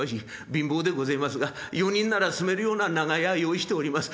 貧乏でごぜえますが４人なら住めるような長屋用意しております。